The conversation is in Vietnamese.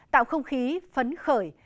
tạo không khí phấn khởi